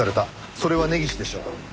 それは根岸でしょう。